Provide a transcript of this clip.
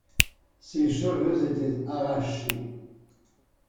Ses cheveux étaient arrachés.